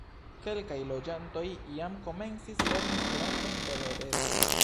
Kelkaj loĝantoj jam komencis lerni Esperanton per reto.